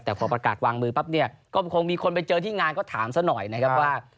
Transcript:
แต่พอประกาศวางมือปั๊บเนี่ยก็คงมีคนไปเจอที่งานก็ถามซะหน่อยนะครับว่า